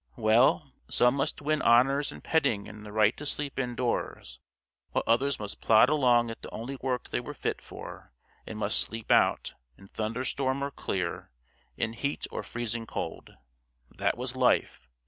Well, some must win honors and petting and the right to sleep indoors; while others must plod along at the only work they were fit for, and must sleep out, in thunderstorm or clear, in heat or freezing cold. That was life.